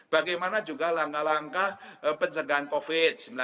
bagaimana juga langkah langkah pencegahan covid sembilan belas